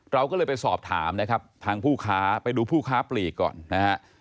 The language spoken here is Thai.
เราก็เลยไปสอบถามนะครับทางผู้ค้าไปดูผู้ค้าปลีกก่อนนะฮะ